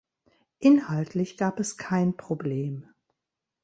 Inhaltlich gab es kein Problem.